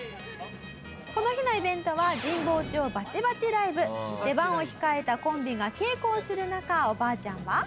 この日のイベントは出番を控えたコンビが稽古をする中おばあちゃんは。